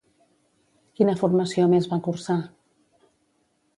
Quina formació més va cursar?